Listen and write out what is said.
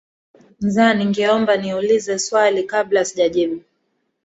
nza ningeomba ni ulize swali kabla sijajibu